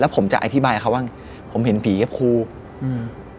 แล้วผมจะไฮทีบายเขาว่าผมเห็นผีกับครูอะอืม